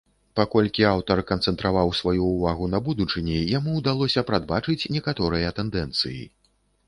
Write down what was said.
Паколькі аўтар канцэнтраваў сваю ўвагу на будучыні, яму ўдалося прадбачыць некаторыя тэндэнцыі.